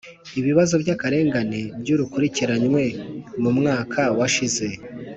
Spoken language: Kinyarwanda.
Ibibazo by’ akarengane byakurikiranywe mu mwaka washize